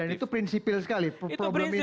dan itu prinsipil sekali problem ini ya